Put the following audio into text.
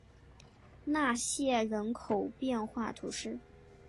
纳谢人口变化图示